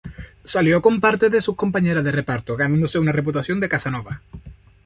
Salió con parte de sus compañeras de reparto, ganándose una reputación de casanova.